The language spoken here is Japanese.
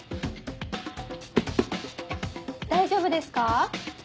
大丈夫ですか？